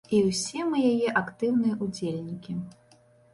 І ўсе мы яе актыўныя ўдзельнікі.